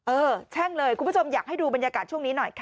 แช่งเลยคุณผู้ชมอยากให้ดูบรรยากาศช่วงนี้หน่อยค่ะ